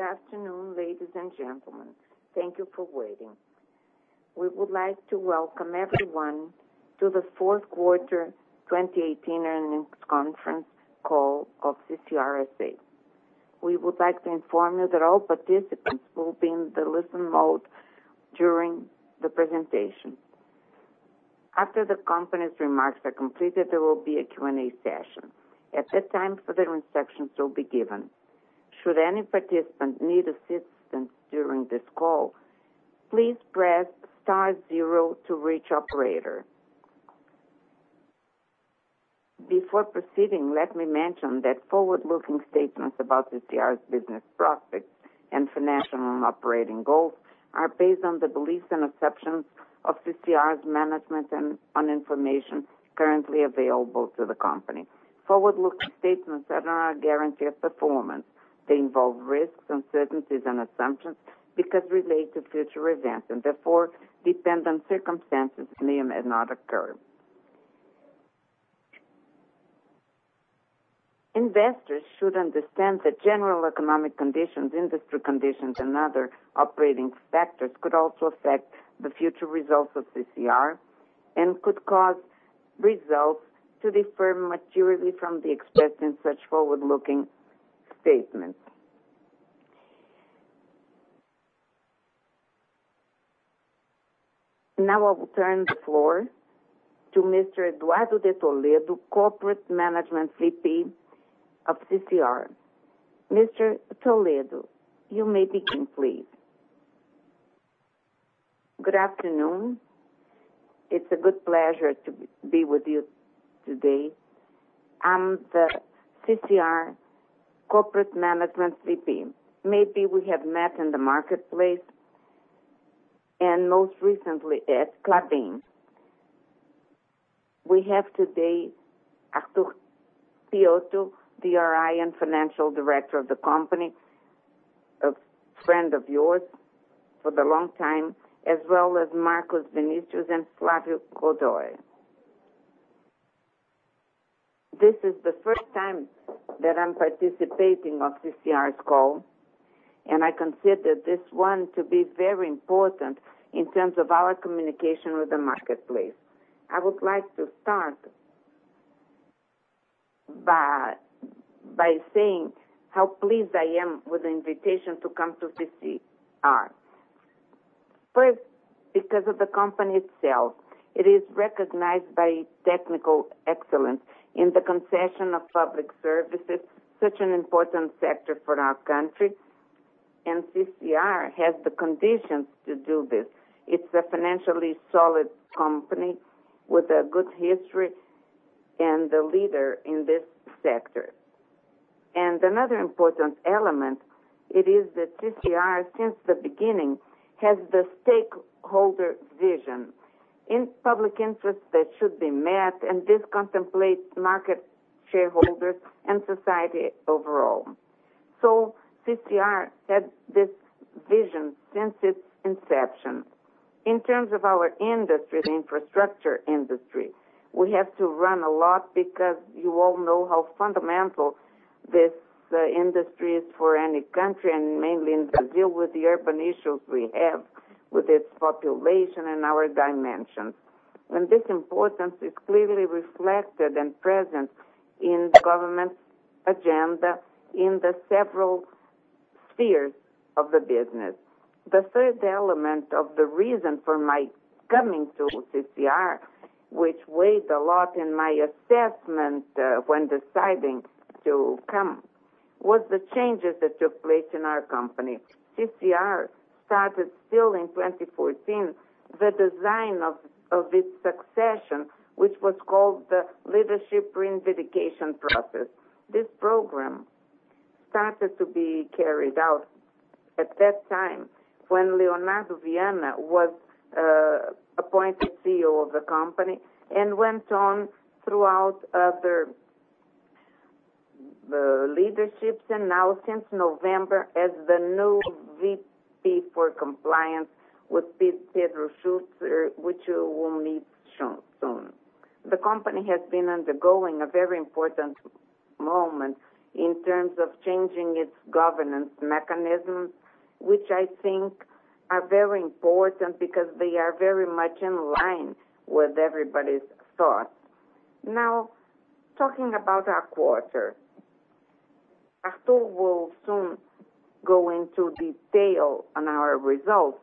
Good afternoon, ladies and gentlemen. Thank you for waiting. We would like to welcome everyone to the fourth quarter 2018 earnings conference call of CCR S.A. We would like to inform you that all participants will be in the listen mode during the presentation. After the company's remarks are completed, there will be a Q&A session. At that time, further instructions will be given. Should any participant need assistance during this call, please press star-zero to reach an operator. Before proceeding, let me mention that forward-looking statements about CCR's business prospects and financial operating goals are based on the beliefs and assumptions of CCR's management and on information currently available to the company. Forward-looking statements are not a guarantee of performance. They involve risks, uncertainties, and assumptions because relate to future events, and therefore dependent circumstances may or may not occur. Investors should understand that general economic conditions, industry conditions, and other operating factors could also affect the future results of CCR and could cause results to differ materially from the expressed in such forward-looking statements. Now I will turn the floor to Mr. Eduardo de Toledo, Corporate Management VP of CCR. Mr. Toledo, you may begin, please. Good afternoon. It's a good pleasure to be with you today. I'm the CCR Corporate Management VP. Maybe we have met in the marketplace, and most recently at Clubinvest. We have today Arthur Piotto, DRI and Financial Director of the company, a friend of yours for the long time, as well as Marcos Vinicius and Flávia Godoy. This is the first time that I'm participating of CCR's call, and I consider this one to be very important in terms of our communication with the marketplace. I would like to start by saying how pleased I am with the invitation to come to CCR. First, because of the company itself. It is recognized by technical excellence in the concession of public services, such an important sector for our country. CCR has the conditions to do this. It's a financially solid company with a good history and a leader in this sector. Another important element, it is that CCR, since the beginning, has the stakeholder vision in public interest that should be met, and this contemplates market shareholders and society overall. CCR has this vision since its inception. In terms of our industry, the infrastructure industry, we have to run a lot because you all know how fundamental this industry is for any country, and mainly in Brazil with the urban issues we have with its population and our dimensions. This importance is clearly reflected and present in the government's agenda in the several spheres of the business. The third element of the reason for my coming to CCR, which weighed a lot in my assessment, when deciding to come, was the changes that took place in our company. CCR started still in 2014, the design of its succession, which was called the Leadership Reinvigoration process. This program started to be carried out at that time when Leonardo Vianna was appointed CEO of the company and went on throughout other leaderships. Now since November, as the new VP for Compliance with Pedro Sutter, which you will meet soon. The company has been undergoing a very important moment in terms of changing its governance mechanisms, which I think are very important because they are very much in line with everybody's thoughts. Now, talking about our quarter. Arthur will soon go into detail on our results,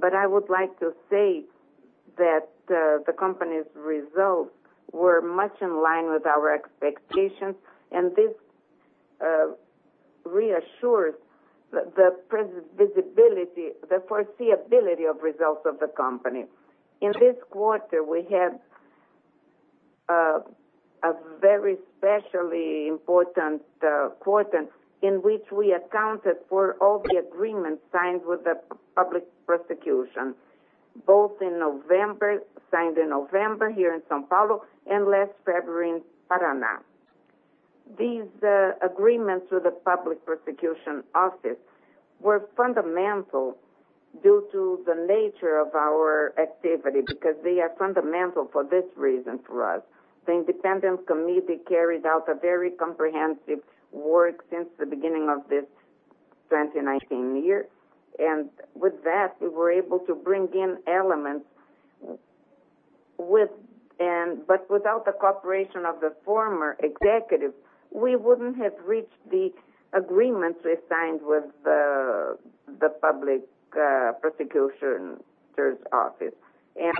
but I would like to say that the company's results were much in line with our expectations, and this reassures the foreseeability of results of the company. In this quarter, we had a very specially important quarter in which we accounted for all the agreements signed with the public prosecution, both signed in November here in São Paulo and last February in Paraná. These agreements with the public prosecution office were fundamental. Due to the nature of our activity, because they are fundamental for this reason for us. The independent committee carried out a very comprehensive work since the beginning of this 2019 year. With that, we were able to bring in elements, but without the cooperation of the former executive, we wouldn't have reached the agreements we signed with the public prosecution office.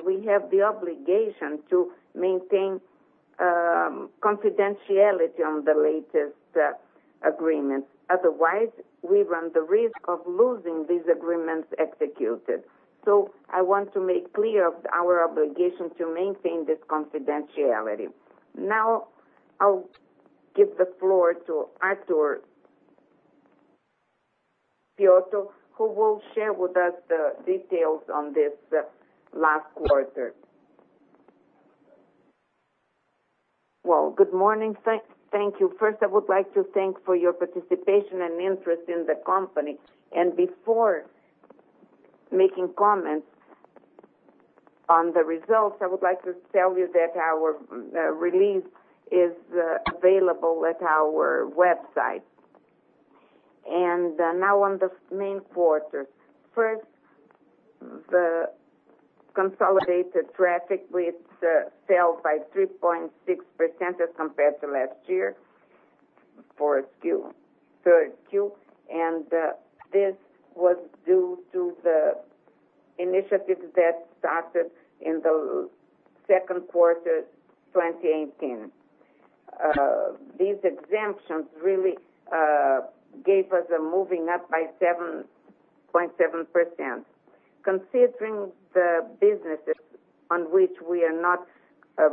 We have the obligation to maintain confidentiality on the latest agreements. Otherwise, we run the risk of losing these agreements executed. I want to make clear our obligation to maintain this confidentiality. Now, I'll give the floor to Arthur Piotto, who will share with us the details on this last quarter. Good morning. Thank you. First, I would like to thank for your participation and interest in the company. Before making comments on the results, I would like to tell you that our release is available at our website. Now on the main quarter. First, the consolidated traffic rates fell by 3.6% as compared to last year, for Q3. This was due to the initiatives that started in the second quarter 2018. These exemptions really gave us a moving up by 7.7%. Considering the businesses on which we are not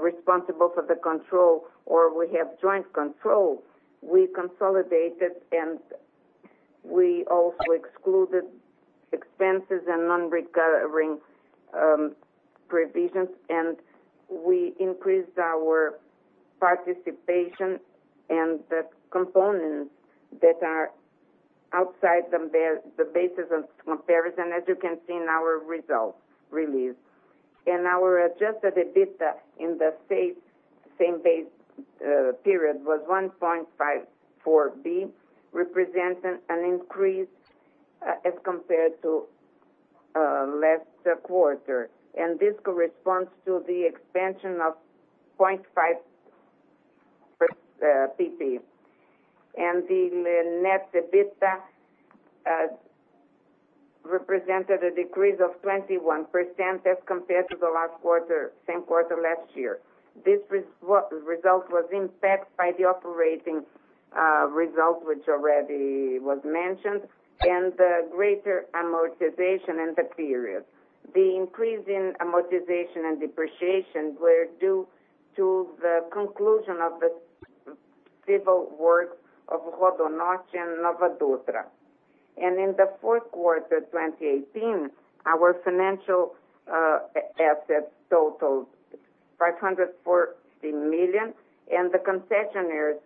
responsible for the control or we have joint control, we consolidated. We also excluded expenses and non-recovering provisions. We increased our participation and the components that are outside the basis of comparison, as you can see in our results release. Our adjusted EBITDA in the same base period was 1.54 billion, representing an increase as compared to last quarter. This corresponds to the expansion of 0.5 percentage points. The net EBITDA represented a decrease of 21% as compared to the last quarter, same quarter last year. This result was impacted by the operating result, which already was mentioned, and the greater amortization in the period. The increase in amortization and depreciation were due to the conclusion of the civil work of RodoNorte and NovaDutra. In the fourth quarter 2018, our financial assets totaled 540 million. The concessionaires,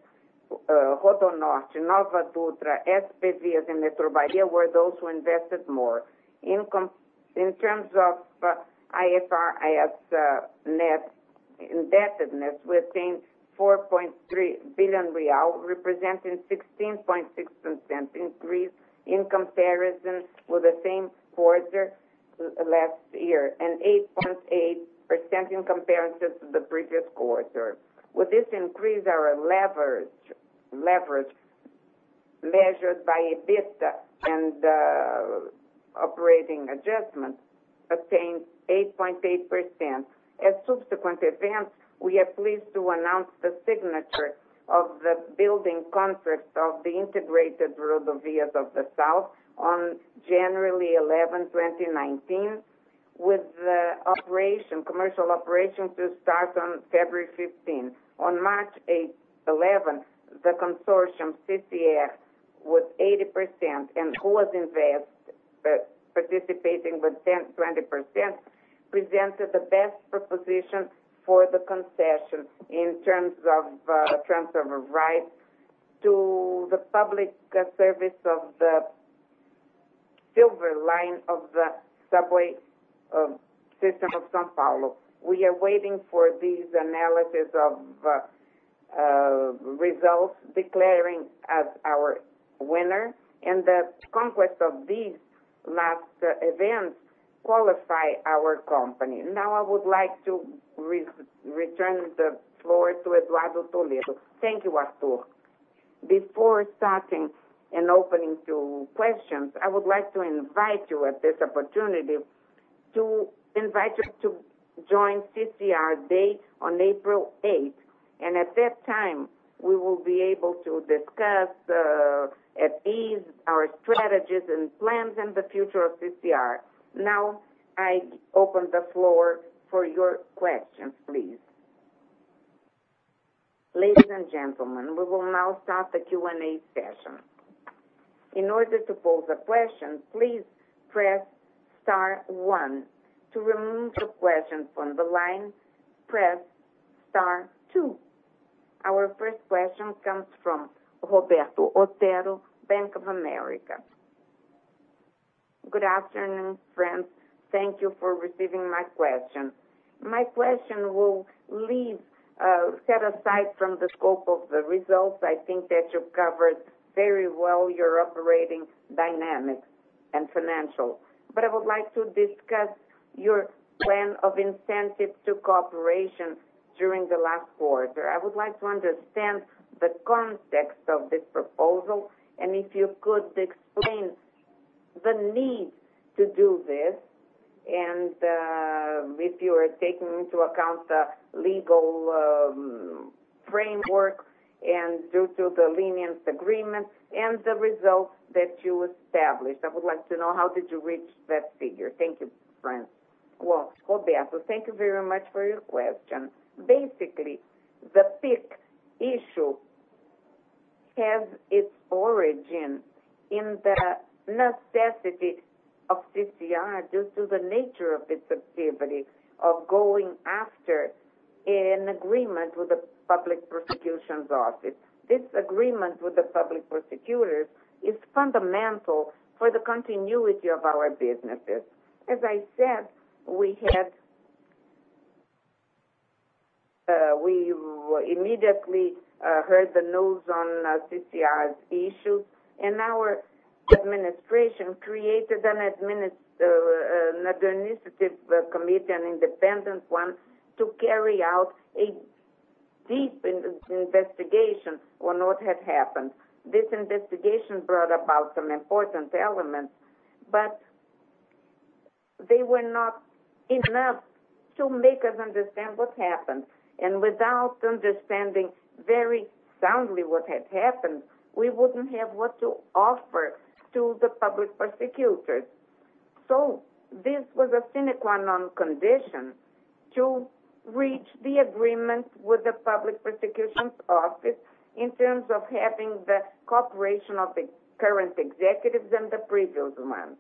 RodoNorte, NovaDutra, SPVias and Metrovias, were those who invested more. In terms of IFRS net indebtedness, we attained 4.3 billion real, representing 16.6% increase in comparison with the same quarter last year, and 8.8% in comparison to the previous quarter. With this increase, our leverage measured by EBITDA and operating adjustments attained 8.8%. At subsequent events, we are pleased to announce the signature of the building contract of the integrated Rodovias do Sul on January 11, 2019, with the commercial operation to start on February 15. On March 11, the consortium CCR, with 80%, and who has participating with 20%, presented the best proposition for the concession in terms of transfer of rights to the public service of the Line 15-Silver of the subway system of São Paulo. We are waiting for these analyses of results declaring as our winner. The conquest of these last events qualify our company. I would like to return the floor to Eduardo de Toledo. Thank you, Arthur. Before starting and opening to questions, I would like to invite you at this opportunity to join CCR Day on April 8. At that time, we will be able to discuss at ease our strategies and plans and the future of CCR. I open the floor for your questions, please. Ladies and gentlemen, we will now start the Q and A session. In order to pose a question, please press star one. To remove your question from the line, press star two. Our first question comes from Roberto Otero, Bank of America. Good afternoon, friends. Thank you for receiving my question. My question will leave set aside from the scope of the results. I think that you've covered very well your operating dynamics and financial. I would like to discuss your plan of incentive to cooperation during the last quarter. I would like to understand the context of this proposal, if you could explain the need to do this, if you are taking into account the legal framework due to the lenience agreement and the results that you established. I would like to know how did you reach that figure. Thank you, friends. Well, Roberto, thank you very much for your question. Basically, the PIC issue has its origin in the necessity of CCR due to the nature of its activity of going after an agreement with the public prosecution's office. This agreement with the public prosecutors is fundamental for the continuity of our businesses. As I said, we immediately heard the news on CCR's issue. Our administration created an administrative committee, an independent one, to carry out a deep investigation on what had happened. This investigation brought about some important elements. They were not enough to make us understand what happened. Without understanding very soundly what had happened, we wouldn't have what to offer to the public prosecutors. This was a sine qua non condition to reach the agreement with the public prosecution's office in terms of having the cooperation of the current executives and the previous ones.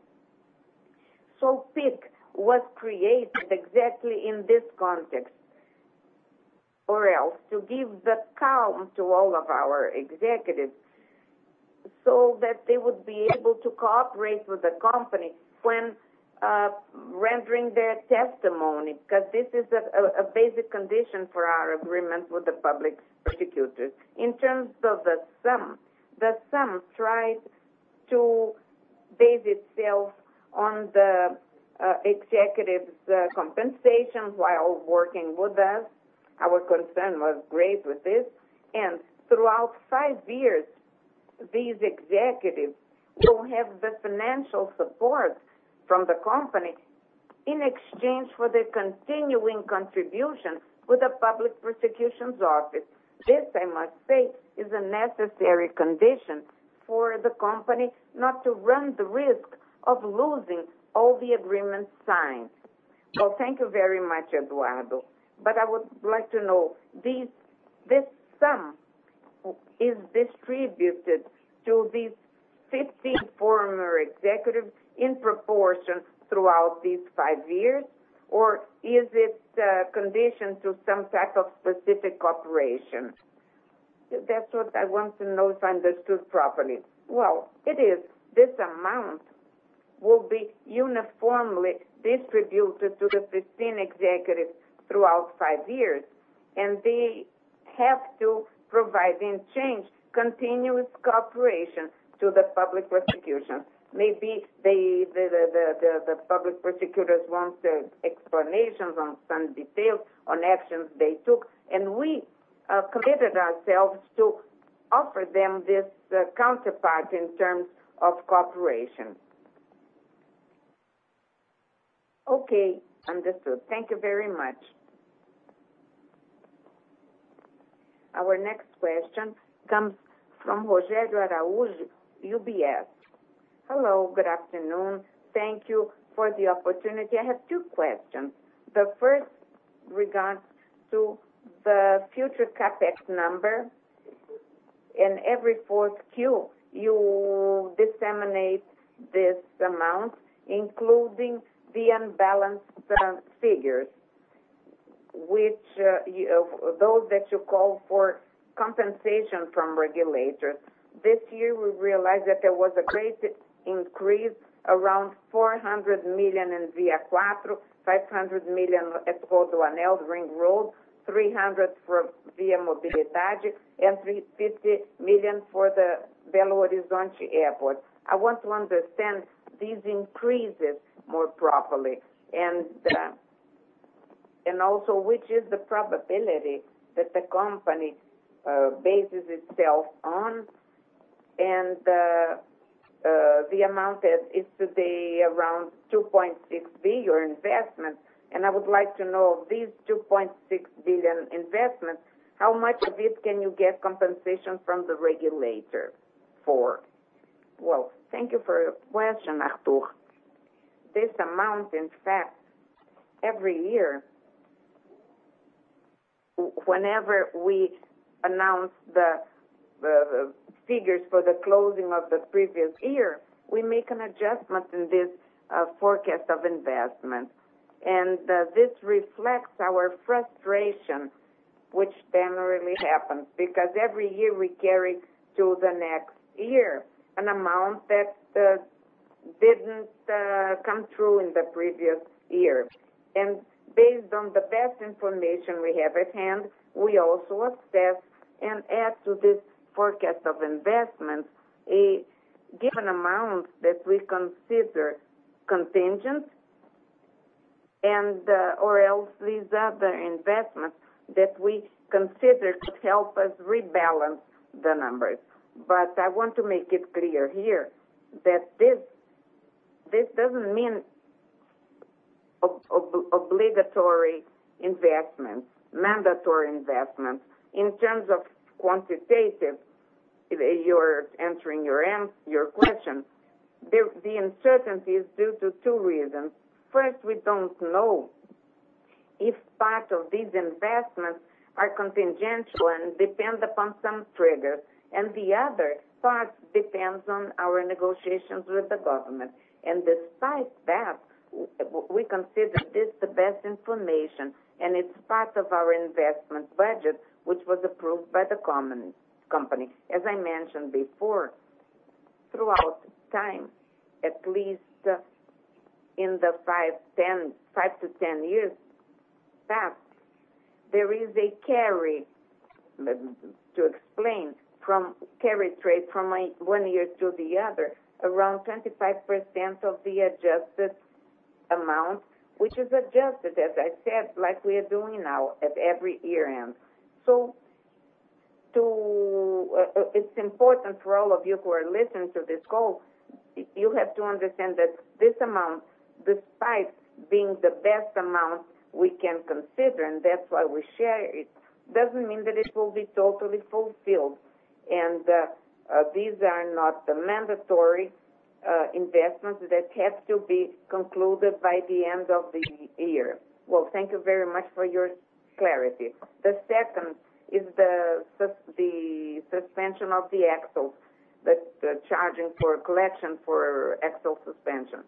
PIC was created exactly in this context, or else, to give the calm to all of our executives so that they would be able to cooperate with the company when rendering their testimony, because this is a basic condition for our agreement with the public prosecutors. In terms of the sum, the sum tried to base itself on the executives' compensations while working with us. Our concern was great with this. Throughout 5 years, these executives will have the financial support from the company in exchange for their continuing contribution with the public prosecution's office. This, I must say, is a necessary condition for the company not to run the risk of losing all the agreements signed. Well, thank you very much, Eduardo. I would like to know, this sum is distributed to these 15 former executives in proportion throughout these 5 years, or is it conditioned to some type of specific cooperation? That's what I want to know if I understood properly. Well, it is. This amount will be uniformly distributed to the 15 executives throughout 5 years. They have to provide, in exchange, continuous cooperation to the public prosecution. Maybe the public prosecutors want explanations on some details on actions they took. We committed ourselves to offer them this counterpart in terms of cooperation. Okay. Understood. Thank you very much. Our next question comes from Rogério Araújo, UBS. Hello. Good afternoon. Thank you for the opportunity. I have two questions. The first regards to the future CapEx number. In every fourth Q, you disseminate this amount, including the unbalanced figures, those that you call for compensation from regulators. This year, we realized that there was a great increase around 400 million in ViaQuatro, 500 million at Rodoanel, 300 million for ViaMobilidade, and 350 million for the Belo Horizonte Airport. I want to understand these increases more properly. Which is the probability that the company bases itself on and the amount that is today around 2.6 billion investment. I would like to know of this 2.6 billion investment, how much of this can you get compensation from the regulator for? Well, thank you for your question, Arthur. This amount, in fact, every year, whenever we announce the figures for the closing of the previous year, we make an adjustment in this forecast of investment. This reflects our frustration, which then really happens because every year we carry to the next year an amount that didn't come true in the previous year. Based on the best information we have at hand, we also assess and add to this forecast of investment a given amount that we consider contingent or else these other investments that we consider could help us rebalance the numbers. I want to make it clear here that this doesn't mean obligatory investments, mandatory investments. In terms of quantitative, you're answering your question. The uncertainty is due to two reasons. First, we don't know if part of these investments are contingent and depend upon some triggers. The other part depends on our negotiations with the government. Despite that, we consider this the best information, and it's part of our investment budget, which was approved by the company. As I mentioned before, throughout time, at least in the 5-10 years passed, there is a carry. To explain, from carry trade from one year to the other, around 25% of the adjusted amount, which is adjusted, as I said, like we are doing now at every year-end. It's important for all of you who are listening to this call, you have to understand that this amount, despite being the best amount we can consider, and that's why we share it, doesn't mean that it will be totally fulfilled. These are not the mandatory investments that have to be concluded by the end of the year. Well, thank you very much for your clarity. The second is the suspension of the eixo, the charging for collection for eixo suspenso.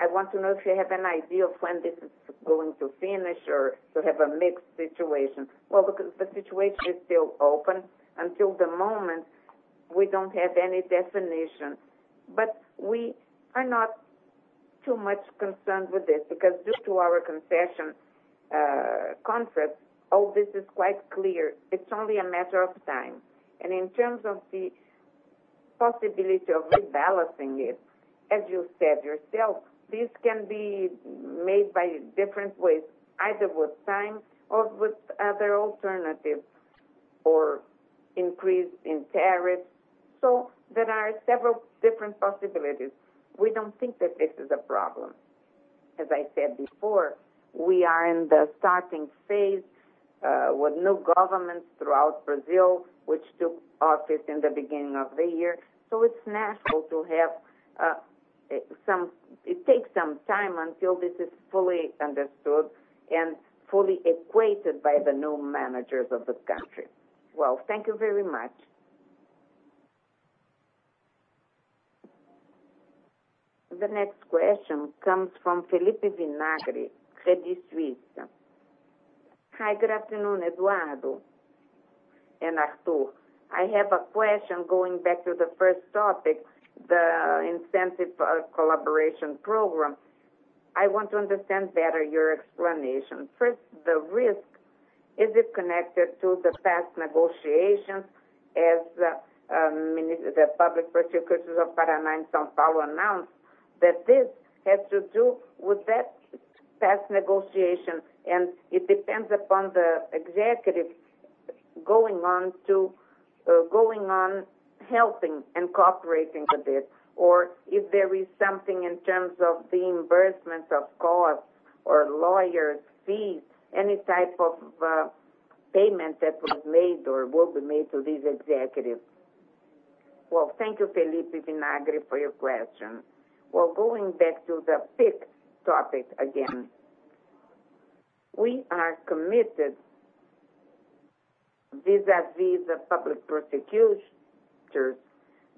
I want to know if you have an idea of when this is going to finish or to have a mixed situation. Well, look, the situation is still open. Until the moment, we don't have any definition. We are not too much concerned with this because due to our concession concept, all this is quite clear. It's only a matter of time. In terms of the possibility of rebalancing it, as you said yourself, this can be made by different ways, either with time or with other alternatives, or increase in tariffs. There are several different possibilities. We don't think that this is a problem. As I said before, we are in the starting phase with new governments throughout Brazil, which took office in the beginning of the year. It takes some time until this is fully understood and fully equated by the new managers of the country. Well, thank you very much. The next question comes from Felipe Vinagre, Credit Suisse. Hi, good afternoon, Eduardo and Arthur. I have a question going back to the first topic, the incentive collaboration program. I want to understand better your explanation. First, the risk. Is it connected to the past negotiations as the public prosecutors of Paraná and São Paulo announced that this has to do with that past negotiation, and it depends upon the executives going on helping and cooperating with this? Or if there is something in terms of the reimbursement of costs or lawyers' fees, any type of payment that was made or will be made to these executives. Well, thank you, Felipe Vinagre, for your question. Well, going back to the fifth topic again. We are committed vis-à-vis the public prosecutors,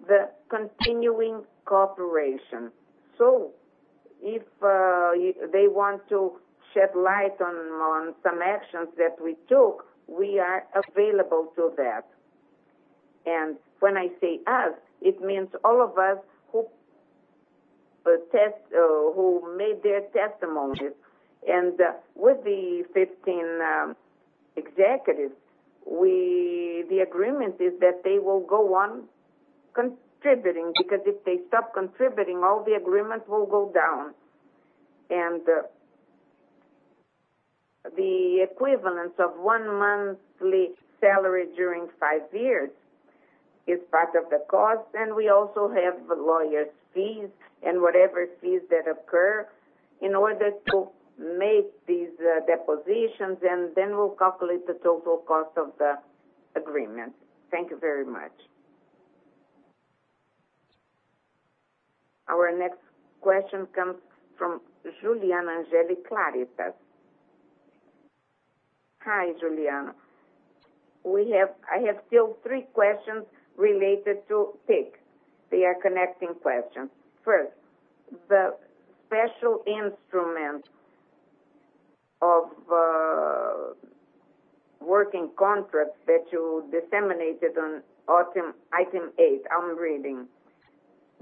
the continuing cooperation. If they want to shed light on some actions that we took, we are available to that. When I say us, it means all of us who made their testimonies. With the 15 executives, the agreement is that they will go on contributing, because if they stop contributing, all the agreements will go down. The equivalence of one monthly salary during five years is part of the cost, we also have lawyers' fees and whatever fees that occur in order to make these depositions, then we'll calculate the total cost of the agreement. Thank you very much. Our next question comes from Juliana Angélica Aripé. Hi, Juliana. I have still three questions related to PIC. They are connected questions. First, the special instrument of working contracts that you disseminated on item eight, I'm reading.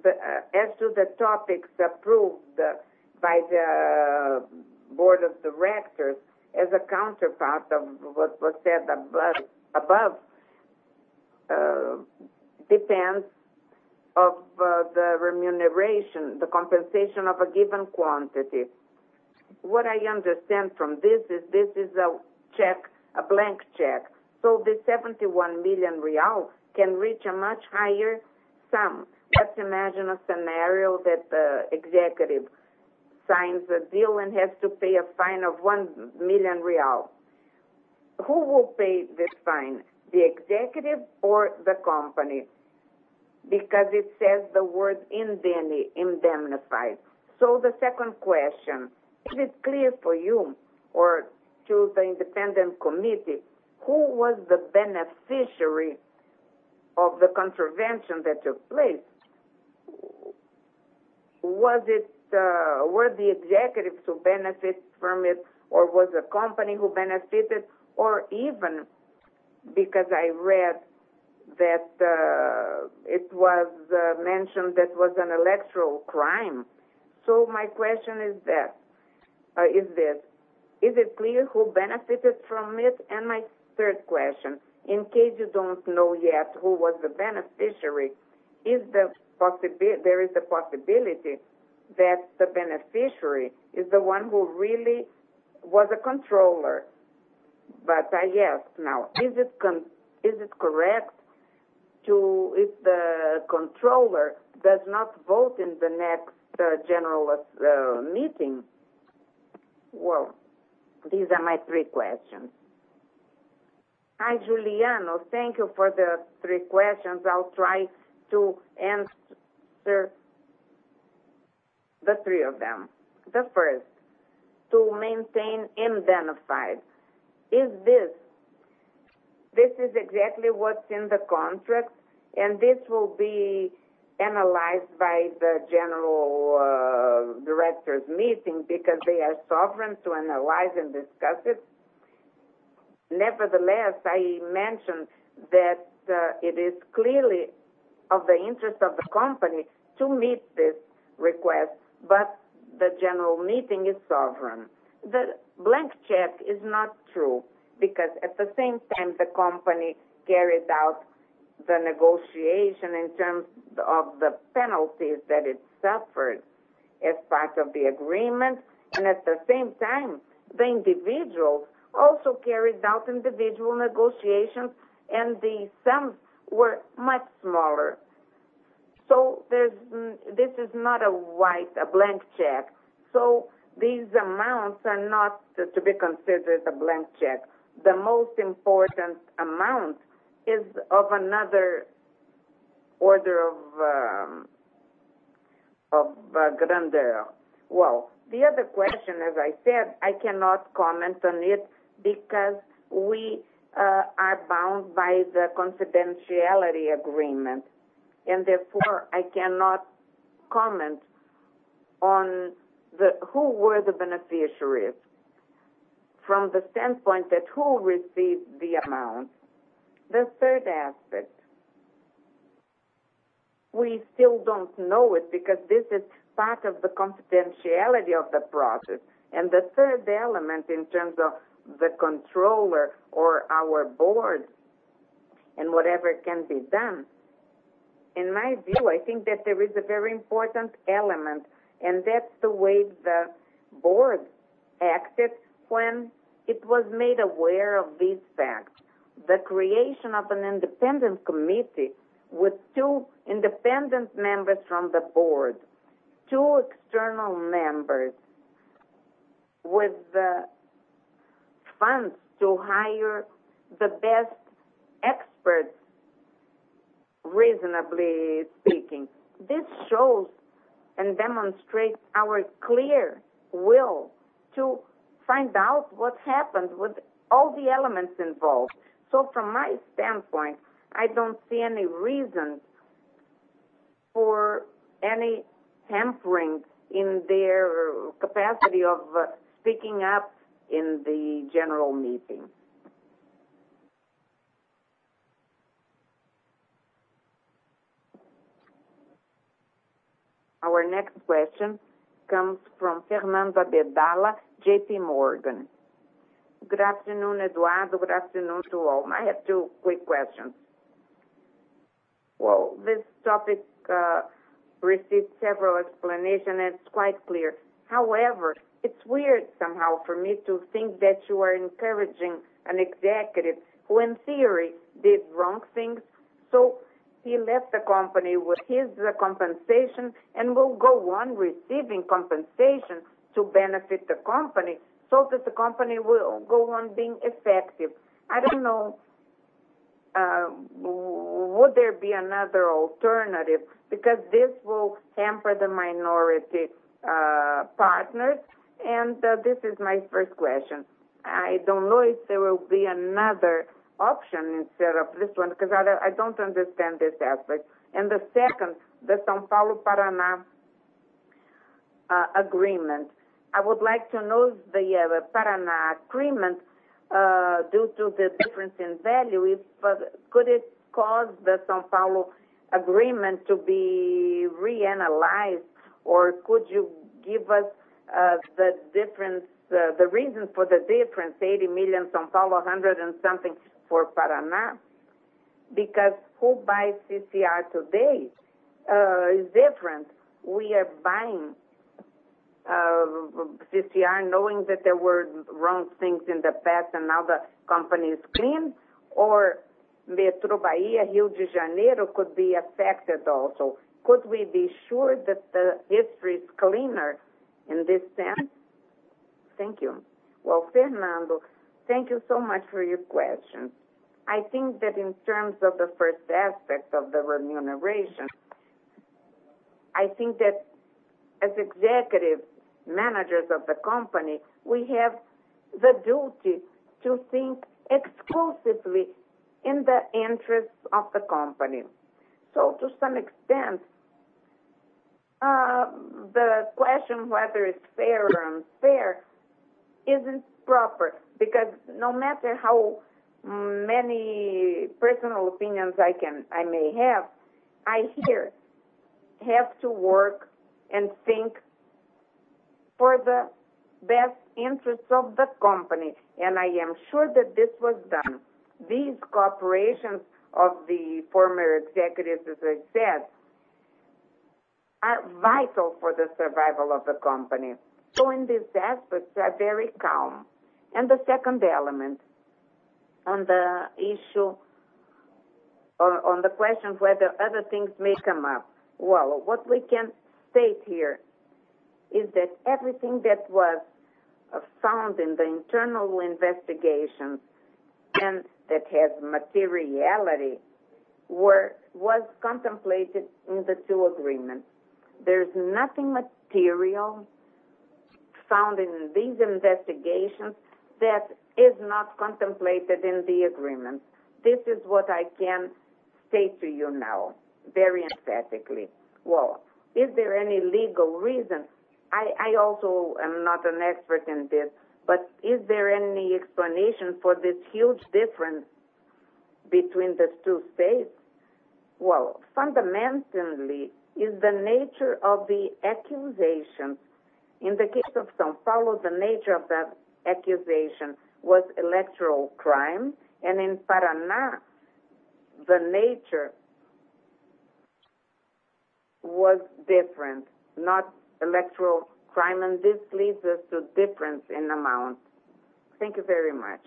As to the topics approved by the board of directors as a counterpart of what was said above depends of the remuneration, the compensation of a given quantity. What I understand from this is, this is a blank check. This 71 million real can reach a much higher sum. Let's imagine a scenario that the executive signs a deal and has to pay a fine of 1 million real. Who will pay this fine? The executive or the company? Because it says the word indemnified. The second question, is it clear for you or to the independent committee, who was the beneficiary of the contravention that took place? Were the executives who benefit from it, or was the company who benefited? Or even, because I read that it was mentioned that was an electoral crime. My question is this: Is it clear who benefited from it? My third question, in case you don't know yet who was the beneficiary, there is a possibility that the beneficiary is the one who really was a controller. I ask now, is it correct if the controller does not vote in the next general meeting? Well, these are my three questions. Hi, Juliana. Thank you for the three questions. I'll try to answer the three of them. The first, to maintain indemnified. This is exactly what's in the contract, and this will be analyzed by the general director's meeting because they are sovereign to analyze and discuss it. Nevertheless, I mentioned that it is clearly of the interest of the company to meet this request, but the general meeting is sovereign. The blank check is not true because at the same time, the company carried out the negotiation in terms of the penalties that it suffered as part of the agreement. At the same time, the individuals also carried out individual negotiations, and the sums were much smaller. This is not a blank check. These amounts are not to be considered a blank check. The most important amount is of another order of grandeur. Well, the other question, as I said, I cannot comment on it because we are bound by the confidentiality agreement. Therefore, I cannot comment on who were the beneficiaries from the standpoint that who received the amount. The third aspect, we still don't know it because this is part of the confidentiality of the process. The third element in terms of the controller or our board and whatever can be done. In my view, I think that there is a very important element, and that's the way the board acted when it was made aware of these facts. The creation of an independent committee with two independent members from the board, two external members with the funds to hire the best experts, reasonably speaking. This shows and demonstrates our clear will to find out what happened with all the elements involved. From my standpoint, I don't see any reason for any tampering in their capacity of speaking up in the general meeting. Our next question comes from Fernanda Bedalla, JPMorgan. Good afternoon, Eduardo. Good afternoon to all. I have two quick questions. Well, this topic received several explanations, and it's quite clear. However, it's weird somehow for me to think that you are encouraging an executive who, in theory, did wrong things. He left the company with his compensation and will go on receiving compensation to benefit the company, so that the company will go on being effective. I don't know. Would there be another alternative? This will hamper the minority partners, and this is my first question. I don't know if there will be another option instead of this one, because I don't understand this aspect. The second, the São Paulo Paraná agreement. I would like to know if the Paraná agreement, due to the difference in value, could it cause the São Paulo agreement to be reanalyzed? Could you give us the reason for the difference, 80 million São Paulo, 100 and something for Paraná? Who buys CCR today is different. We are buying CCR knowing that there were wrong things in the past and now the company is clean, or Metrô Bahia, Rio de Janeiro could be affected also. Could we be sure that the history is cleaner in this sense? Thank you. Well, Fernanda, thank you so much for your question. I think that in terms of the first aspect of the remuneration, I think that as executive managers of the company, we have the duty to think exclusively in the interests of the company. To some extent, the question whether it's fair or unfair isn't proper, because no matter how many personal opinions I may have, I here have to work and think for the best interests of the company, and I am sure that this was done. These corporations of the former executives, as I said, are vital for the survival of the company. In these aspects, they are very calm. The second element on the question of whether other things may come up. What we can state here is that everything that was found in the internal investigation and that has materiality was contemplated in the two agreements. There's nothing material found in these investigations that is not contemplated in the agreements. This is what I can say to you now, very emphatically. Is there any legal reason? I also am not an expert in this, but is there any explanation for this huge difference between the two states? Fundamentally, it's the nature of the accusations. In the case of São Paulo, the nature of that accusation was electoral crime, and in Paraná, the nature was different, not electoral crime, and this leads us to difference in amounts. Thank you very much.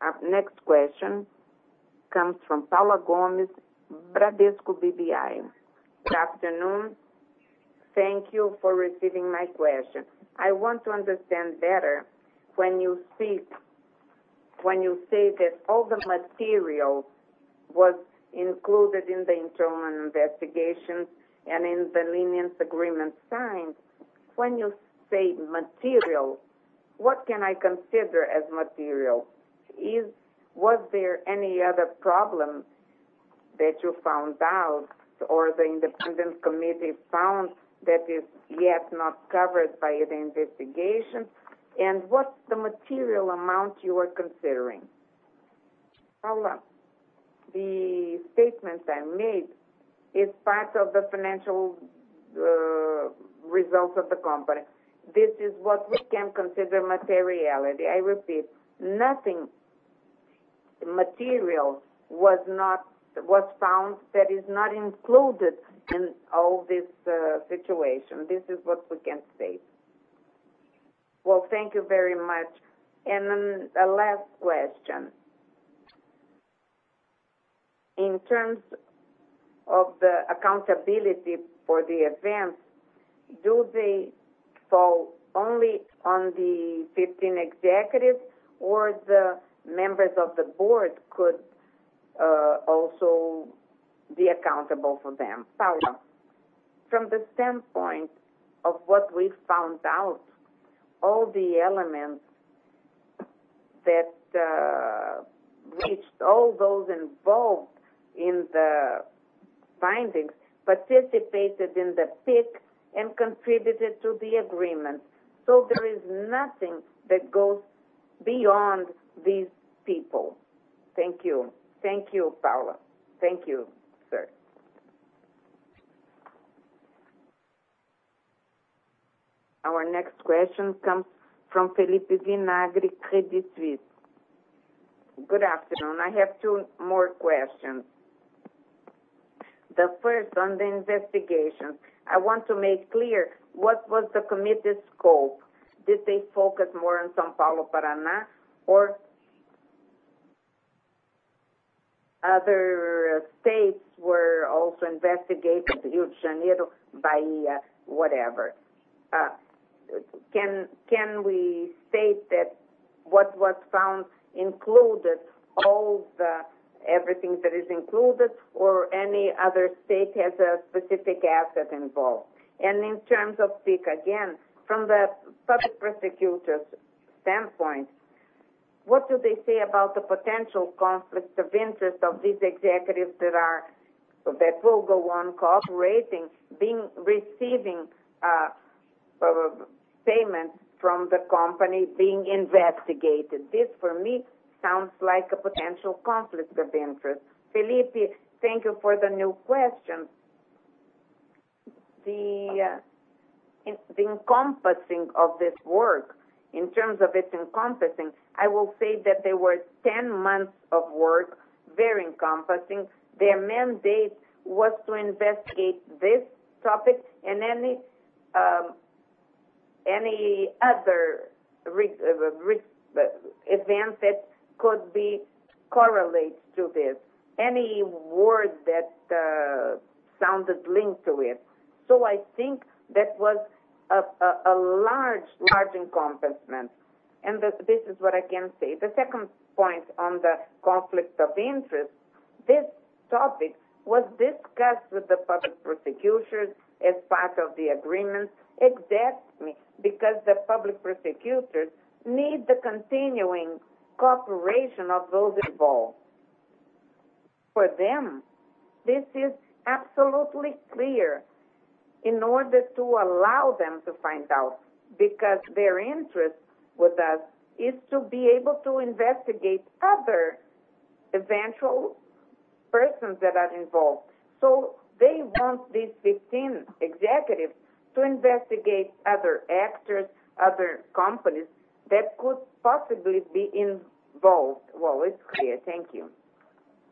Our next question comes from Paula Gomes, Bradesco BBI. Good afternoon. Thank you for receiving my question. I want to understand better when you say that all the material was included in the internal investigations and in the lenience agreement signed. When you say material, what can I consider as material? Was there any other problem that you found out, or the independent committee found that is yet not covered by the investigation? What's the material amount you are considering? Paula, the statement I made is part of the financial results of the company. This is what we can consider materiality. I repeat, nothing material was found that is not included in all this situation. This is what we can say. Thank you very much. A last question. In terms of the accountability for the events, do they fall only on the 15 executives, or the members of the board could also be accountable for them? Paula, from the standpoint of what we found out, all the elements that reached all those involved in the findings participated in the PIC and contributed to the agreement. There is nothing that goes beyond these people. Thank you. Thank you, Paula. Thank you, sir. Our next question comes from Felipe Vinagre, Credit Suisse. Good afternoon. I have two more questions. The first on the investigation. I want to make clear what was the committee's scope. Did they focus more on São Paulo, Paraná? Other states were also investigated, Rio de Janeiro, Bahia, whatever. Can we state that what was found included everything that is included or any other state has a specific asset involved? In terms of PIC, again, from the public prosecutor's standpoint, what do they say about the potential conflict of interest of these executives that will go on cooperating, receiving payments from the company being investigated. This, for me, sounds like a potential conflict of interest. Felipe, thank you for the new question. The encompassing of this work, in terms of its encompassing, I will say that there were 10 months of work, very encompassing. Their mandate was to investigate this topic and any other event that could be correlated to this, any word that sounded linked to it. I think that was a large encompassment, and this is what I can say. The second point on the conflict of interest, this topic was discussed with the public prosecutors as part of the agreement, exactly because the public prosecutors need the continuing cooperation of those involved. For them, this is absolutely clear in order to allow them to find out, because their interest with us is to be able to investigate other eventual persons that are involved. They want these 15 executives to investigate other actors, other companies that could possibly be involved. Well, it's clear. Thank you.